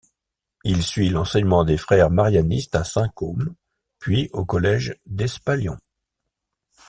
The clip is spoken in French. Il suit l'enseignement des frères marianistes à Saint-Côme, puis au collège d'Espalion.